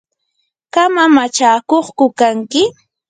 ¿qam amachakuqku kanki?